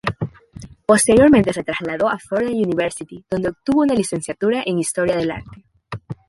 Posteriormente se trasladó a Fordham University, donde obtuvo una licenciatura en Historia del Arte.